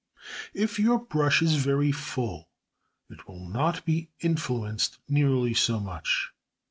If your brush is very full it will not be influenced nearly so much.